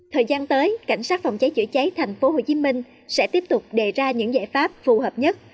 thời gian tới cảnh sát phòng cháy chữa cháy tp hcm sẽ tiếp tục đề ra những giải pháp phù hợp nhất